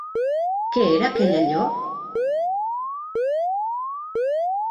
Què era aquell allò?